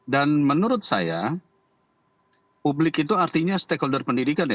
dan menurut saya publik itu artinya stakeholder pendidikan ya